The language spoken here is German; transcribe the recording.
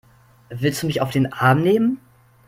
Willst du mich auf den Arm nehmen?